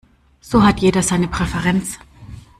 So hat jeder seine Präferenz.